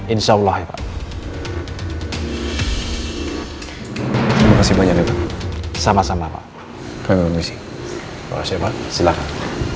insyaallah ya pak terima kasih banyak sama sama pak silakan